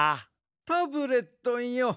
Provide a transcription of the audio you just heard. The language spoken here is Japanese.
タブレットンよ